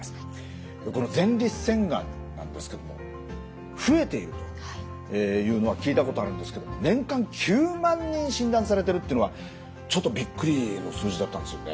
この前立腺がんなんですけれども増えているというのは聞いたことあるんですけど年間９万人診断されてるっていうのはちょっとびっくりの数字だったんですよね。